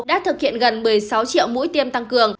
đã thực hiện gần một mươi sáu triệu mũi tiêm tăng cường